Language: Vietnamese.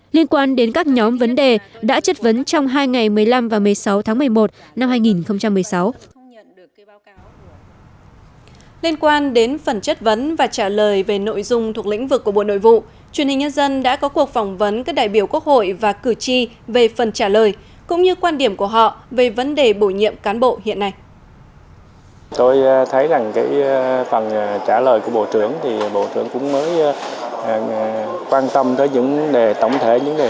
liên quan đến các nhóm vấn đề đã chất vấn trong hai ngày một mươi năm và một mươi sáu tháng một mươi một năm hai nghìn một mươi sáu